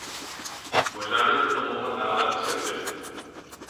Možná byste to mohla dále osvětlit.